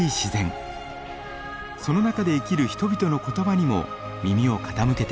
その中で生きる人々の言葉にも耳を傾けていきます。